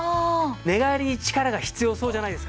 寝返りに力が必要そうじゃないですか？